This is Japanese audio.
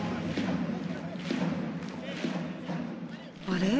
あれ？